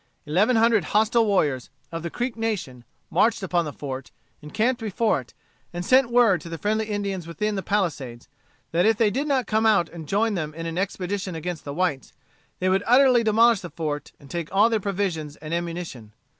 Eleven hundred hostile warriors, of the Creek nation, marched upon the fort, encamped before it, and sent word to the friendly Indians within the palisades, that if they did not come out and join them in an expedition against the whites, they would utterly demolish the fort and take all their provisions and ammunition.